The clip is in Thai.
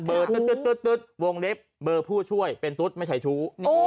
ตึ๊ดวงเล็บเบอร์ผู้ช่วยเป็นตุ๊ดไม่ใช่ชู้